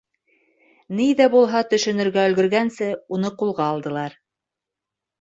Ни ҙә булһа төшөнөргә өлгөргәнсе, уны ҡулға алдылар.